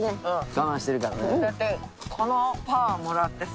我慢してるからね。